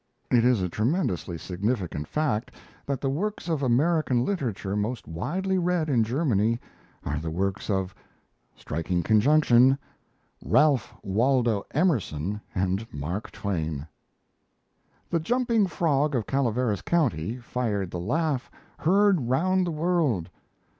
It is a tremendously significant fact that the works of American literature most widely read in Germany are the works of striking conjunction! Ralph Waldo Emerson and Mark Twain. The 'Jumping Frog of Calaveras County' fired the laugh heard round the world.